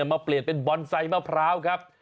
มาเปลี่ยนเป็นบอนไซต์มะพร้าวครับ